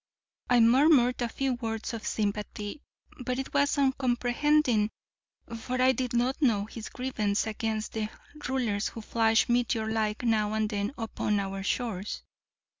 I murmured a few words of sympathy. But it was uncomprehending, for I did not know his grievance against the rulers who flash, meteor like, now and then upon our shores.